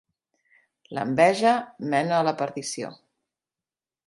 L'enveja mena a la perdició.